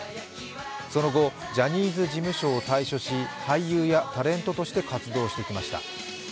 その後、ジャニーズ事務所を退所し俳優やタレントとして活動してきました。